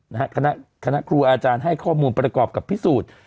คณะคณะครูอาจารย์ให้ข้อมูลประกอบกับพิสูจน์